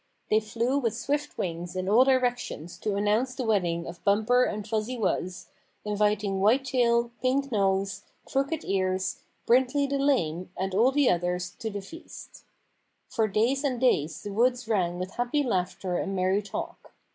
They flew with swift wings in all directions to announce the wedding of Bumper and Fuzzy Wuzz, inviting White Tail, Pink Nose, Crooked Ears, Brindley the Lame and all the others to the feast. For days and days the woods rang with happy laughter and merry talk.